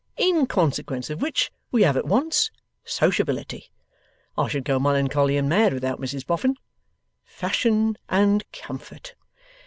In consequence of which we have at once, Sociability (I should go melancholy mad without Mrs Boffin), Fashion, and Comfort.